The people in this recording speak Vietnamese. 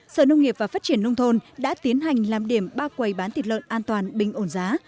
sở nông nghiệp và phát triển nông thôn đã tiến hành làm điểm ba quầy bán thịt lợn an toàn bình ổn giá